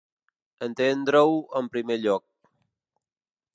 Entendre-ho en primer lloc.